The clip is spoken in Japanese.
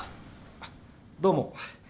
あっどうも。